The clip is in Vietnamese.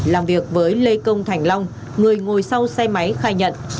làm việc với lê công thành long người ngồi sau xe máy khai nhận